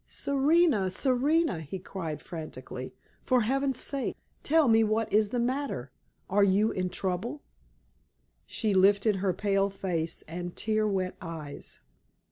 "Serena! Serena!" he cried, frantically, "for Heaven's sake, tell me what is the matter! Are you in trouble?" She lifted her pale face and tear wet eyes.